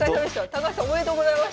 高橋さんおめでとうございます。